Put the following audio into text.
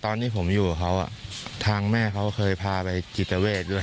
ตอนที่ผมอยู่กับเขาทางแม่เขาเคยพาไปจิตเวทด้วย